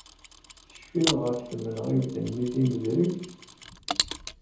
Tecfiḍ ɣef tmenɣiwt-nni timedregt?